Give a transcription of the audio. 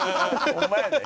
ホンマやね。